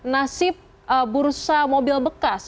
nasib bursa mobil bekas